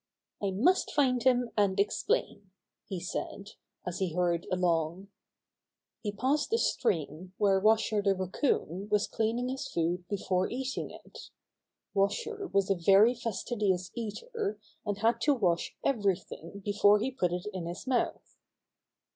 "I must find them and explain," he said, as he hurried along. He passed a stream where Washer the Rac coon was cleaning his food before eating it. Washer was a very fastidious eater, and had to wash everything before he put it in his mouth.